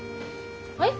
はい。